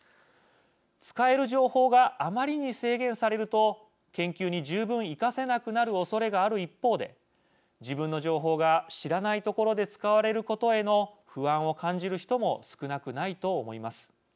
使える情報があまりに制限されると研究に十分生かせなくなるおそれがある一方で自分の情報が知らないところで使われることへの不安を感じる人も少なくないと思います。